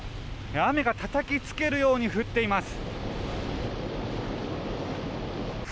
雨がたたきつけるように降っています。